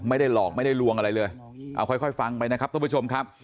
ไม่ได้หลอกไม่ได้ลวงอะไรเลยเอาค่อยฟังไปนะครับทุกผู้ชมครับ